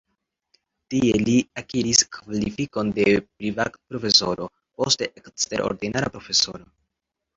Tie li akiris kvalifikon de privatprofesoro, poste eksterordinara profesoro.